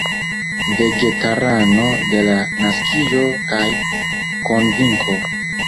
Vegetarano de la naskiĝo kaj konvinko.